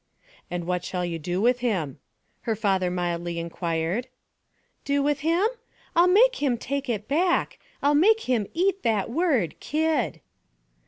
'And what shall you do with him?' her father mildly inquired. 'Do with him? I'll make him take it back; I'll make him eat that word kid!'